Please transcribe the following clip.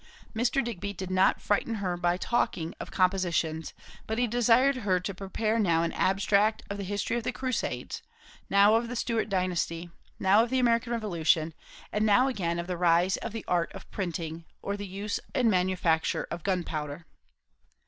Mr. Digby did not frighten her by talking of compositions, but he desired her to prepare now an abstract of the history of the crusades, now of the Stuart dynasty, now of the American revolution; and now again of the rise of the art of printing, or the use and manufacture of gunpowder.